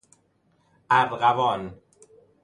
ارغوان